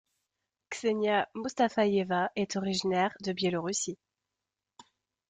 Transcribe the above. Kseniya Moustafaeva est originaire de Biélorussie.